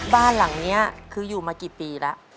บ้านหลังนี้คืออยู่มากี่ปีแล้ว